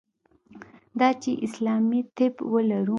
دا چې اسلامي طب ولرو.